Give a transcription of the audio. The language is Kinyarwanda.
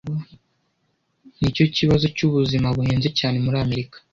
nicyo kibazo cyubuzima buhenze cyane muri Amerika